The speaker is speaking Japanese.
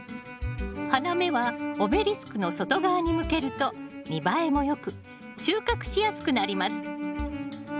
花芽はオベリスクの外側に向けると見栄えも良く収穫しやすくなります